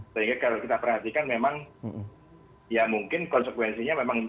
sehingga kalau kita perhatikan memang ya mungkin konsekuensinya memang